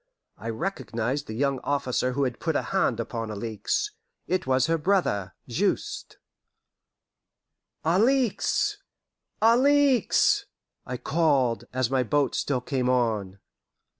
I recognized the young officer who had put a hand upon Alixe. It was her brother Juste. "Alixe! Alixe!" I called, as my boat still came on.